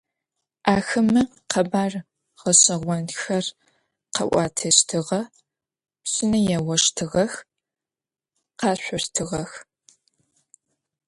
Axeme khebar ğeş'eğonxer kha'uateştığe, pşıne yêoştığex, khaşsoştığex.